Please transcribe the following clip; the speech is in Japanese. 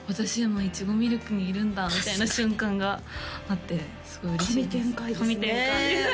今いちごみるくにいるんだみたいな瞬間があってすごい嬉しいです